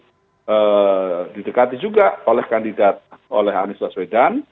yang di dekati juga oleh kandidat anies baswedan